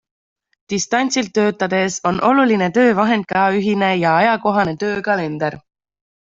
Distantsilt töötades on oluline töövahend ka ühine ja ajakohane töökalender.